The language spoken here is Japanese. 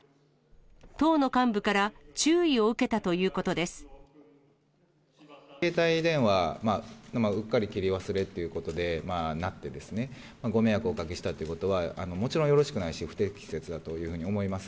党の幹部から注意を受けたと携帯電話、うっかり切り忘れということでなくてですね、ご迷惑をおかけしたということは、もちろんよろしくないし、不適切だというふうに思います。